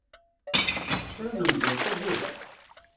Kra n umzuxxu deg-k!